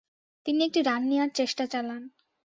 তিনি একটি রান নেয়ার চেষ্টা চালান।